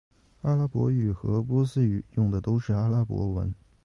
阿拉伯语和波斯语用的都是阿拉伯文。